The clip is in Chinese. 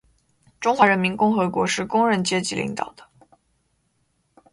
中华人民共和国是工人阶级领导的